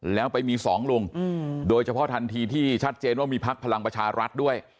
แล้วไปมีสองลุงโดยเฉพาะทันทีที่ชัดเจนว่ามีพักพลังประชารัฐด้วย